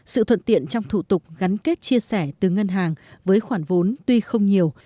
sự thuận tiện trong thủ tục gắn kết chia sẻ từ ngân hàng với khoản vốn tuy không nhiều